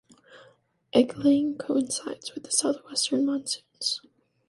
Egg laying coincides with the southwestern monsoons.